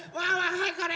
はいこれ！